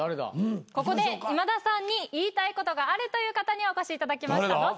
ここで今田さんに言いたいことがあるという方にお越しいただきました。